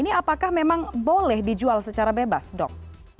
ini apakah memang boleh dijual secara bebas dok